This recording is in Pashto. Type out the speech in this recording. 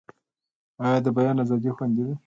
آیا د بیان ازادي خوندي ده؟